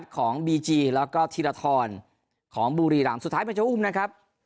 ของบีจีแล้วก็ธีรทรของบุรีรำสุดท้ายเป็นเจ้าอุ้มนะครับ